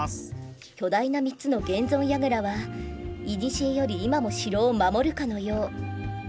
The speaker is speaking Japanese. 巨大な３つの現存櫓はいにしえより今も城を守るかのよう。